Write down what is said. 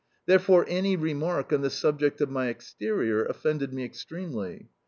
Therefore any remark on the subject of my exterior offended me extremely.